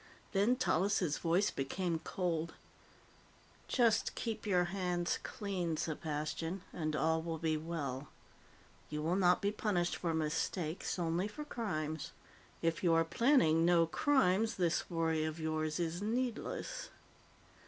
Then Tallis' voice became cold. "Just keep your hands clean, Sepastian, and all will be well. You will not be punished for mistakes only for crimes. If you are planning no crimes, this worry of yours is needless."